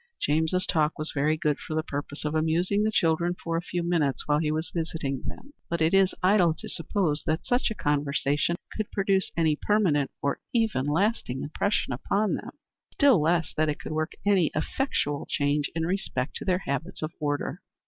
James's talk was very good for the purpose of amusing the children for a few minutes while he was visiting them, but it is idle to suppose that such a conversation could produce any permanent or even lasting impression upon them; still less, that it could work any effectual change in respect to their habits of order."